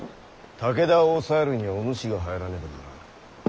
武田を抑えるにはお主が入らねばならん。